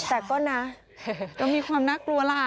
แต่ก็นะก็มีความน่ากลัวล่ะ